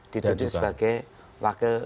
ditutup sebagai wakil